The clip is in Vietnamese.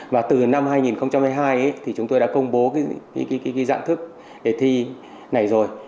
và từ năm hai nghìn hai mươi hai thì chúng tôi đã công bố dạng thức để thi này rồi